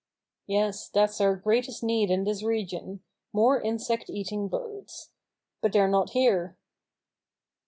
"Yes, that's our greatest need in this region — more insect eating birds. But they're not here."